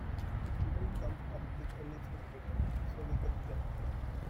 Couldn't come up with anything better, so we kept them.